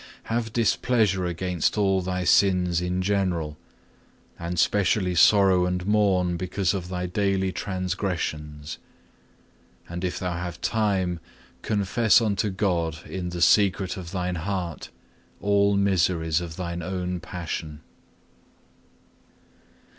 Have displeasure against all thy sins in general, and specially sorrow and mourn because of thy daily transgressions. And if thou have time, confess unto God in the secret of thine heart, all miseries of thine own passion.